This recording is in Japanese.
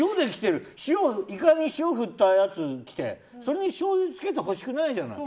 イカに塩振ったやつきてそれに、しょうゆをつけてほしくないじゃない。